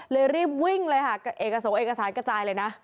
รีบวิ่งเลยค่ะเอกสงเอกสารกระจายเลยนะ